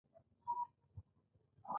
امانت ارزښتناک دی.